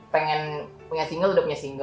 pengen punya single udah punya single